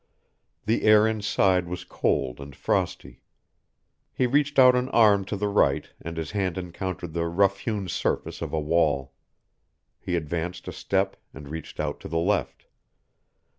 The air inside was cold and frosty. He reached out an arm to the right and his hand encountered the rough hewn surface of a wall; he advanced a step and reached out to the left.